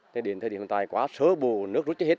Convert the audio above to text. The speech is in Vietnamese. thế đến thời điểm hôm nay quá sớ bù nước rút chứ hết